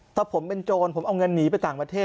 ถ้าผมเป็นโจรผมเอาเงินหนีไปต่างประเทศ